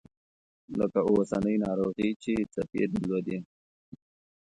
لکه اوسنۍ ناروغي چې څپې درلودې.